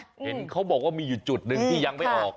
เห็นเขาบอกว่ามีอยู่จุดหนึ่งที่ยังไม่ออก